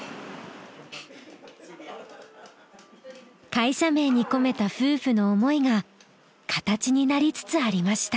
会社名に込めた夫婦の思いが形になりつつありました。